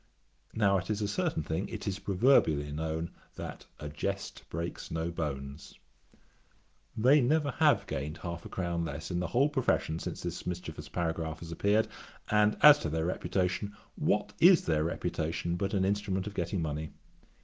Now it is a certain thing, it is proverbially known, that a jest breaks no bones. They never have gained half a crown less in the whole profession since this mischievous paragraph has appeared; and, as to their reputation, What is their reputation but an instrument of getting money?